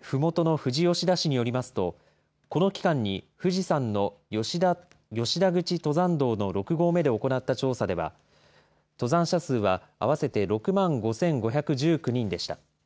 ふもとの富士吉田市によりますと、この期間に富士山の吉田口登山道の６合目で行った調査では、登山者数は合わせて６万５５１９人でした。